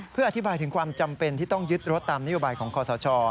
เพื่ออธิบายถึงความจำเป็นที่ต้องยึดรถตามนโยบายของคอสช